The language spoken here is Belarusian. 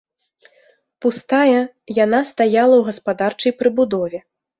Пустая, яна стаяла ў гаспадарчай прыбудове.